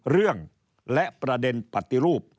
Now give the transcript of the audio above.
เรื่องและประเด็นปฏิรูป